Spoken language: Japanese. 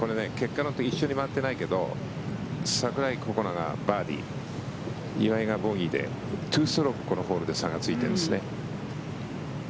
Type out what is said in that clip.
これ一緒に回っていないけど櫻井心那がバーディー岩井がボギーで２ストローク、このホールで差がついてるんですよね。